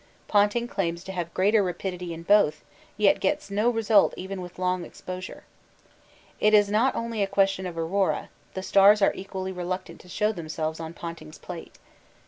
Ponting claims to have greater rapidity in both, yet gets no result even with long exposure. It is not only a question of aurora; the stars are equally reluctant to show themselves on Ponting's plate.